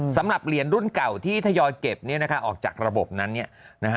สำหรับเหรียญรุ่นเก่าที่ทยอยเก็บเนี่ยนะคะออกจากระบบนั้นเนี่ยนะฮะ